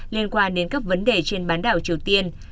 liên quan đến các vấn đề trên bán đảo triều tiên